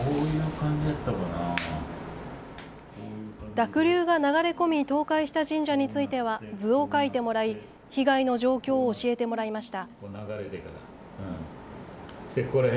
濁流が流れ込み倒壊した神社については図を書いてもらい被害の状況を教えてもらいました。